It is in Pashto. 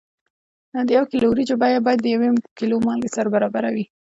نو د یو کیلو وریجو بیه باید د یو کیلو مالګې سره برابره وي.